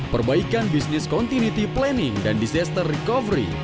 perbaikan bisnis continuity planning dan disaster recovery